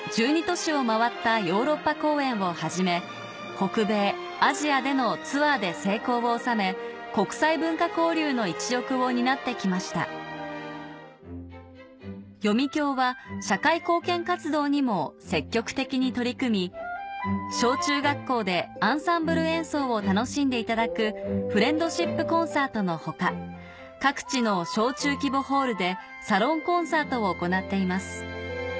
北米アジアでのツアーで成功を収め国際文化交流の一翼を担ってきました読響は社会貢献活動にも積極的に取り組み小中学校でアンサンブル演奏を楽しんでいただくフレンドシップ・コンサートの他各地の小中規模ホールでサロン・コンサートを行っています